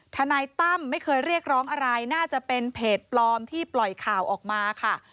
ทนายตั้มไม่เคยเรียกร้องอะไรน่าจะเป็นเพจปลอมที่ปล่อยข่าวออกมาค่ะ